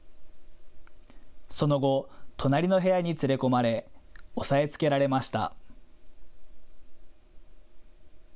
その後、隣りの部屋に連れ込まれ押さえつけられました。